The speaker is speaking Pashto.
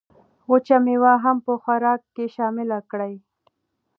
وچه مېوه هم په خوراک کې شامله کړئ.